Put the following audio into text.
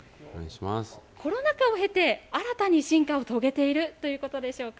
コロナ禍を経て、新たに進化を遂げているということでしょうか。